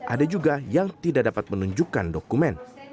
ada juga yang tidak dapat menunjukkan dokumen